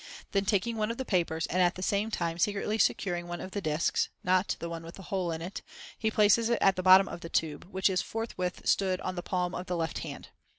Then taking one of the papers, and at the same time secretly securing one of the discs (not the one with the hole in it), he places it at the bottom of the tube, which is forthwith stood on the palm of the left hand.